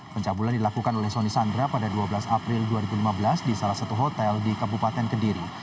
pencabulan dilakukan oleh soni sandra pada dua belas april dua ribu lima belas di salah satu hotel di kabupaten kediri